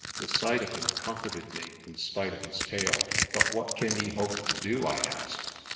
The sight of him comforted me, in spite of his tale. "But what can he hope to do?' I asked.